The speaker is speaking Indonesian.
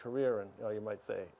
atau anda mungkin mengatakan